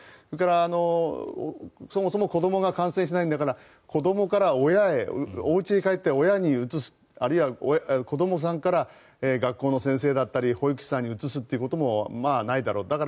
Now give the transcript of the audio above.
それからそもそも子どもが感染しないんだから子どもから親へお家へ帰って親にうつすあるいは子どもさんから学校の先生だったり保育士さんにうつすこともないだろう。